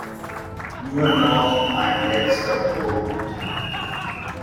Nur noch ein letzter Punkt.